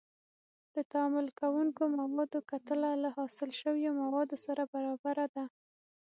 د تعامل کوونکو موادو کتله له حاصل شویو موادو سره برابره ده.